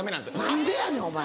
何でやねんお前！